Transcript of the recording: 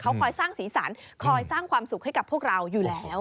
เขาคอยสร้างสีสันคอยสร้างความสุขให้กับพวกเราอยู่แล้ว